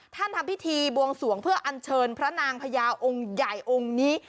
ทำพิธีบวงสวงเพื่ออัญเชิญพระนางพญาองค์ใหญ่องค์นี้